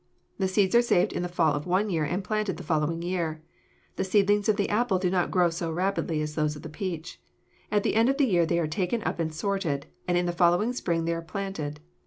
The seeds are saved in the fall of one year and planted the following year. The seedlings of the apple do not grow so rapidly as those of the peach. At the end of the year they are taken up and sorted, and in the following spring they are planted.